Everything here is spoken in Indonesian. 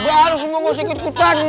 gua harus semua gua singkit kutan